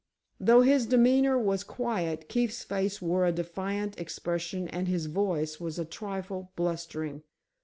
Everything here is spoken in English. Though his demeanor was quiet, Keefe's face wore a defiant expression and his voice was a trifle blustering.